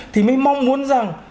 thì mới mong muốn rằng